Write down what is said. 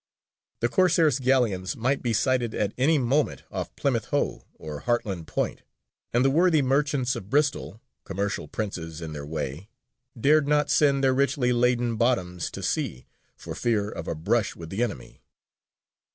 The Corsairs' galleons might be sighted at any moment off Plymouth Hoe or Hartland Point, and the worthy merchants of Bristol, commercial princes in their way, dared not send their richly laden bottoms to sea for fear of a brush with the enemy.